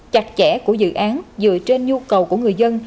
chặt chẽ của dự án dựa trên nhu cầu của người dân